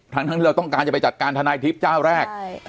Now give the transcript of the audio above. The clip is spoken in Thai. ทั้งที่เราต้องการจะไปจัดการทนายทิพย์เจ้าแรก